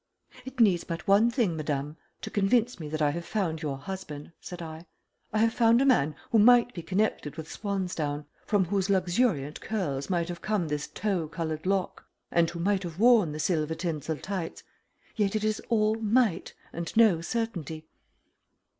"It needs but one thing, madame, to convince me that I have found your husband," said I. "I have found a man who might be connected with swan's down, from whose luxuriant curls might have come this tow colored lock, and who might have worn the silver tinsel tights yet it is all MIGHT and no certainty."